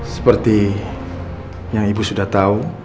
seperti yang ibu sudah tahu